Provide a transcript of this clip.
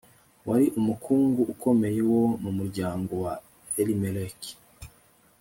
wari umukungu ukomeye wo mu muryango wa elimeleki